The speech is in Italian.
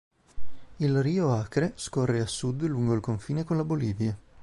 Il Rio Acre scorre a sud lungo il confine con la Bolivia.